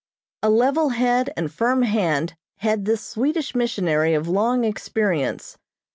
A level head and firm hand had this Swedish missionary of long experience.